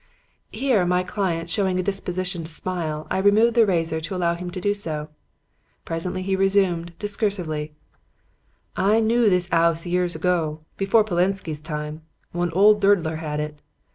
"Here, my client showing a disposition to smile, I removed the razor to allow him to do so. Presently he resumed, discursively: "'I knoo this 'ouse years ago, before Polensky's time, when old Durdler had it.